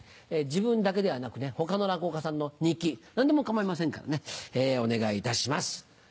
自分だけではなく他の落語家さんの日記何でも構いませんからねお願いいたします。